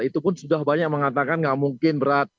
itu pun sudah banyak yang mengatakan gak mungkin berat